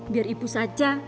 biar ibu saja